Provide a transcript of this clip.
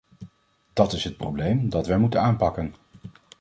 Dat is het probleem dat wij moeten aanpakken!